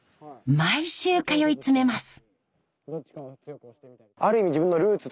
毎週通い詰めます。